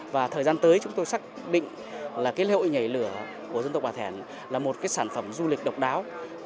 và thời gian tới chúng tôi xác định là cái lễ hội nhảy lửa của dân tộc bà thẻn là một cái sản phẩm du lịch độc đáo